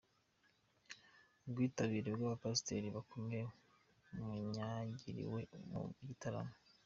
Ubwitabire bw'abapasiteri bakomeye banyagiriwe mu gitaramo.